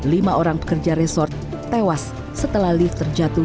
lima orang pekerja resort tewas setelah lift terjatuh